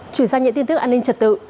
chuyển sang những tin tức an ninh trật tự